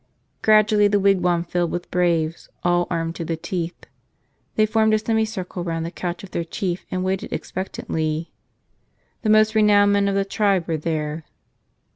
Gradually the wigwam filled with braves, all armed to the teeth. They formed a semicircle round the couch of their chief and waited expectantly. The most renowned men of the tribe were there.